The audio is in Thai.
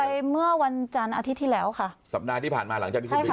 เมื่อวันจันทร์อาทิตย์ที่แล้วค่ะสัปดาห์ที่ผ่านมาหลังจากที่คุณบิน